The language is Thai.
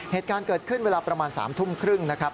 เหตุการณ์เกิดขึ้นเวลาประมาณ๓ทุ่มครึ่งนะครับ